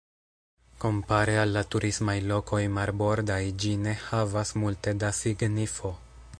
Kompare al la turismaj lokoj marbordaj ĝi ne havas multe da signifo.